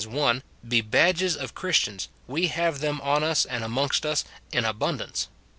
be badges of Christians, we have them on us and amongst us in abund ance.